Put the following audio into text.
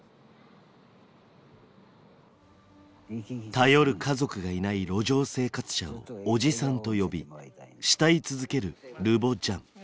頼る家族がいない路上生活者をおじさんと呼び慕い続けるルボ・ジャン。